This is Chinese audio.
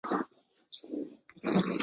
盐滨是东京都江东区的町名。